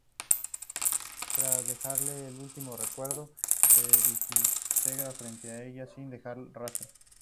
Tras dejarle este último recuerdo, se desintegra frente a ella sin dejar rastro.